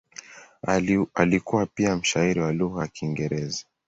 Alikuwa pia mshairi wa lugha ya Kiingereza.